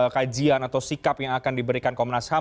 kajian atau sikap yang akan diberikan komnas ham